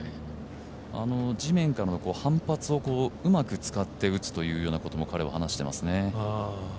地面からの反発をうまく使って打つということも彼は話していますね。